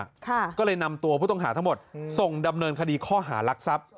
ค่ะก็เลยนำตัวผู้ต้องหาทั้งหมดส่งดำเนินคดีข้อหารักทรัพย์